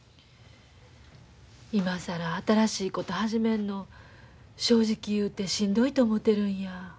今更新しいこと始めんの正直言うてしんどいと思てるんや。